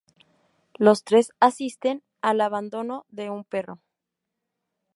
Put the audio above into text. Los tres asisten al abandono de un perro.